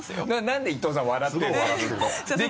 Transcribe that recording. なんで伊藤さん笑ってるの？